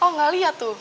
oh gak lihat tuh